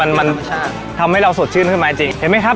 มันมันใช่ทำให้เราสดชื่นขึ้นมาจริงเห็นไหมครับ